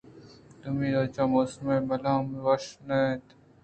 دومی روچ ءَ موسم ءُ مولم وش نہ اِتنت